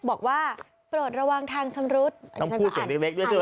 บอกว่าเปิดระวังทางชำรุดต้องพูดเสียงเล็กเล็กด้วยใช่ไหม